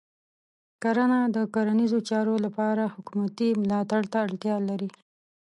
کرنه د کرنیزو چارو لپاره حکومتې ملاتړ ته اړتیا لري.